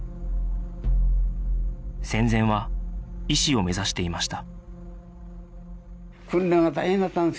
戦前は医師を目指していました